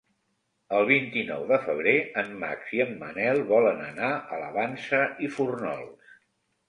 El vint-i-nou de febrer en Max i en Manel volen anar a la Vansa i Fórnols.